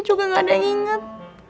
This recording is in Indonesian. juga gak ada inget